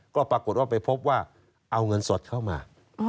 ก็ปรากฏว่าไปพบว่าเอาเงินสดเข้ามา